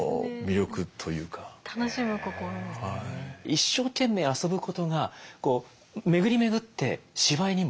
一生懸命遊ぶことが巡り巡って芝居にも。